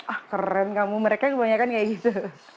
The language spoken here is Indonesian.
ah keren kamu mereka yang kebanyakan kayak gitu